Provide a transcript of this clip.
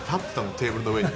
テーブルの上に。